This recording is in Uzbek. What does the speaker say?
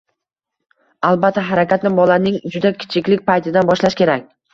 Albatta harakatni bolaning juda kichiklik paytidan boshlash kerak.